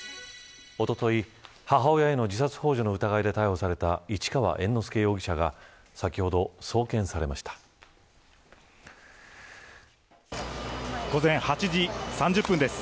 おととい、母親への自殺ほう助の疑いで逮捕された市川猿之助容疑者が午前８時３０分です。